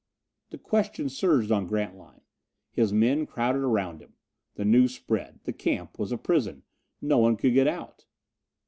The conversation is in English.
The questions surged on Grantline. His men crowded around him. The news spread. The camp was a prison. No one could get out.